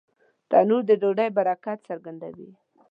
تنور د ډوډۍ برکت څرګندوي